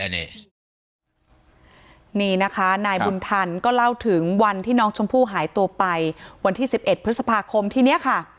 นี่นะคะนายบุญธรรมก็เล่าถึงวันที่น้องชมพู่หายตัวไปวันที่๑๑พฤษภาคมทีนี้ค่ะ